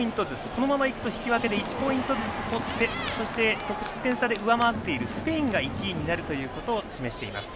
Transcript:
このままいくと引き分けで１ポイントずつ取ってそして得失点差で上回っているスペインが１位になるということを示しています。